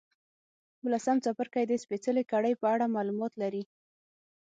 یوولسم څپرکی د سپېڅلې کړۍ په اړه معلومات لري.